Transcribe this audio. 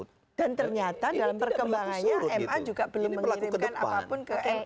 dan ternyata dalam perkembangannya ma juga belum mengirimkan apapun ke ma